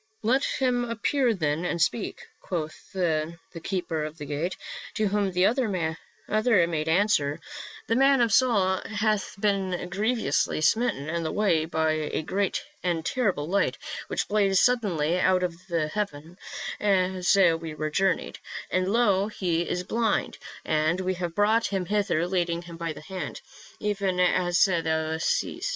"* Let him appear then and speak,' quoth the keeper of the gate. To whom the other made answer, • The THE VISION ON THE HOUSETOP. 17 man Saul hath been grievously smitten in the way by a great and terrible light which blazed suddenly out of heaven as we journeyed ; and lo, he is blind, and we have brought him hither leading him by the hand, even as thou seest.